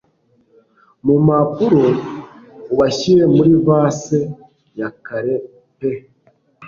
mu mpapuro ubashyire muri vase ya kare pe